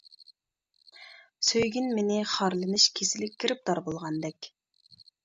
سۆيگىن مېنى خارلىنىش كېسىلىگە گىرىپتار بولغاندەك.